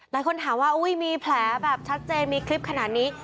หลายคนถามว่ามีแผลแบบชัดเจนมีคลิปขนาดนี้